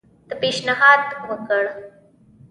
ده پېشنهاد وکړ.